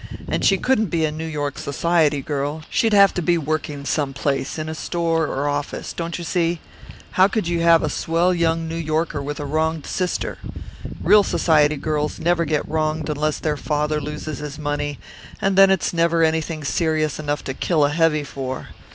And she couldn't be a New York society girl; she'd have to be working some place, in a store or office don't you see? How could you have a swell young New Yorker with a wronged sister? Real society girls never get wronged unless their father loses his money, and then it's never anything serious enough to kill a heavy for.